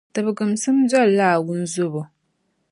Tibiginsim dolila a wunzobo.